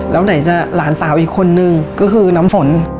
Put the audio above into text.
แล้วไหนจะหลานสาวอีกคนนึงก็คือน้ำฝน